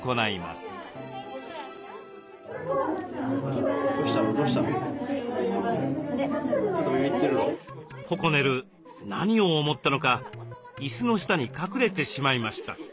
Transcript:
ポコネル何を思ったのか椅子の下に隠れてしまいました。